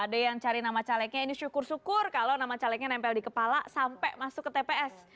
ada yang cari nama calegnya ini syukur syukur kalau nama calegnya nempel di kepala sampai masuk ke tps